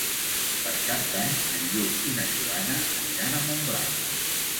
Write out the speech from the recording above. Per Cap d'Any en Lluc i na Joana aniran a Montblanc.